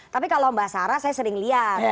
tapi kalau mbak sarah saya sering lihat